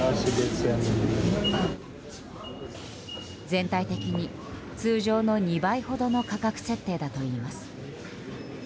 全体的に通常の２倍ほどの価格設定だといいます。